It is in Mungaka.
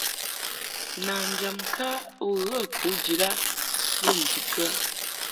Nanjam ŋka u ghə kujid a bə ndikə ?